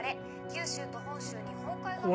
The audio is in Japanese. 九州と本州日本海側は。